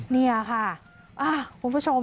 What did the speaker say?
นี่ค่ะคุณผู้ชม